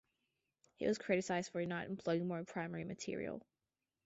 He was criticized for not employing more primary material.